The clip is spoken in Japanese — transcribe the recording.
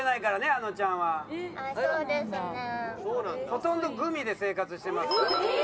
ほとんどグミで生活してますから。